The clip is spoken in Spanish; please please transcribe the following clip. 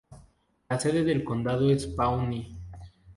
La sede del condado es Pawnee.